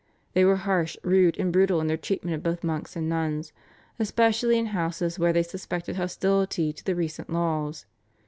They were harsh, rude, and brutal in their treatment of both monks and nuns, especially in houses where they suspected hostility to the recent laws.